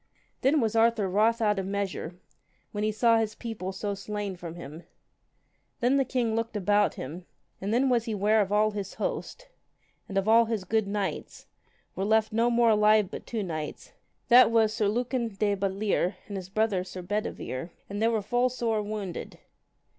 Then was Arthur wroth out of measure, when he saw his people so slain from him. Then the king looked about him, and then was he ware of all his host, and of all his good knights, were left no more alive but two knights, that was Sir Lucan de Butlere, and his brother Sir Bedivere: and they full were sore wounded.